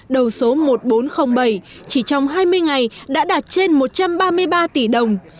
đầu số một nghìn bốn trăm linh bảy chỉ trong hai mươi ngày đã đạt trên một trăm ba mươi ba tỷ đồng